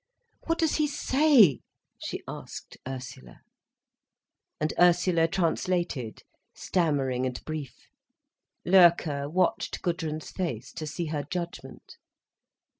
"What does he say?" she asked Ursula. And Ursula translated, stammering and brief. Loerke watched Gudrun's face, to see her judgment.